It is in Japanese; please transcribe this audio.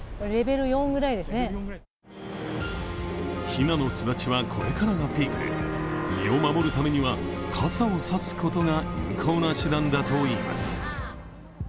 ひなの巣立ちはこれからがピークで身を守るためには、傘を差すことが有効な手段だといいます。